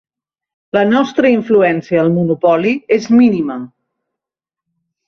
La nostra influència al monopoli és mínima.